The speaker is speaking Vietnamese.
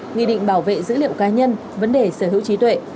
nghị định bảo vệ dữ liệu cá nhân vấn đề sở hữu trí tuệ